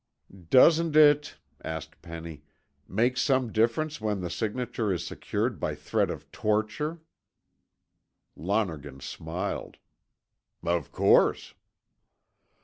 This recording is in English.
"Doesn't it," asked Penny, "make some difference when the signature is secured by threat of torture?" Lonergan smiled, "Of course."